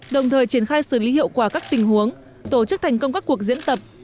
đồng thời triển khai xử lý hiệu quả các tình huống tổ chức thành công các cuộc diễn tập